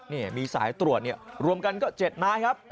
นี่มีสายตรวจเนี่ยรวมกันก็๗นายครับ